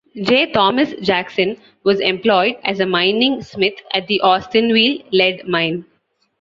J Thomas Jackson was employed as a mining smith at the Austinville lead mine.